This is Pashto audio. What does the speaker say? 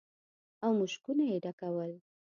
او مشکونه يې ډکول.